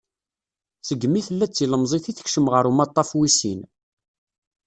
Segmi tella d tilemẓit i tekcem ɣer umaṭtaf wis sin.